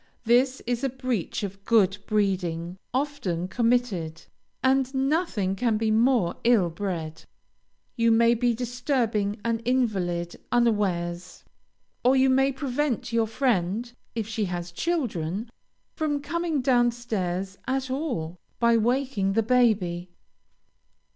This is a breach of good breeding often committed, and nothing can be more ill bred. You may be disturbing an invalid unawares, or you may prevent your friend, if she has children, from coming down stairs at all, by waking the baby.